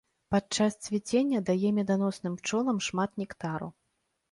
Падчас цвіцення дае меданосным пчолам шмат нектару.